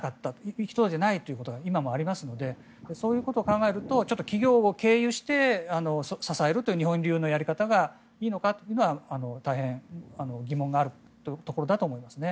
行き届いていないということが今もありますのでそういうことを考えると企業を経由して支えるという日本流のやり方がいいのかというのは大変、疑問があるところだと思いますね。